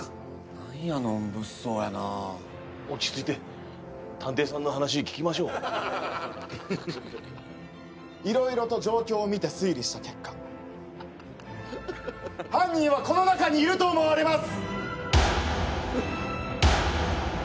何やのん物騒やな落ち着いて探偵さんの話聞きましょう色々と状況を見て推理した結果犯人はこの中にいると思われます！